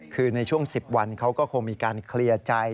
คือในช่วง๑๐วันเขาก็คงมีการเคลียร์ใจ